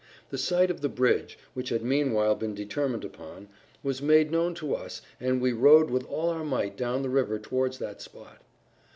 The site of the bridge, which had meanwhile been determined upon, was made known to us, and we rowed with all our might down the river towards that spot.